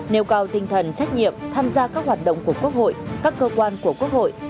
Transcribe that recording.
nêu cao tinh thần trách nhiệm tham gia các hoạt động của quốc hội các cơ quan của quốc hội